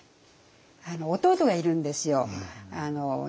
弟がいるんですよ